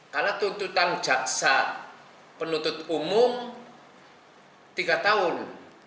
karena tuntutan jaksa penuntut umum tiga tahun